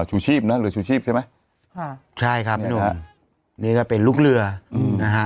ชูชีพนะเรือชูชีพใช่ไหมค่ะใช่ครับพี่หนุ่มนี่ก็เป็นลูกเรืออืมนะฮะ